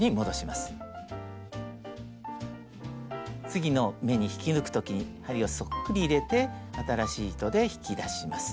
次の目に引き抜く時に針をそっくり入れて新しい糸で引き出します。